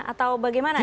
atau bagaimana nih